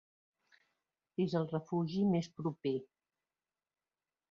És el refugi més proper.